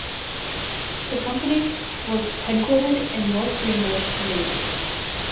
The company, was headquartered in North Greenbush, New York.